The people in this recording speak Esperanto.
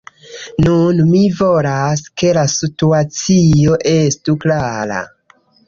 Nun mi volas, ke la situacio estu klara.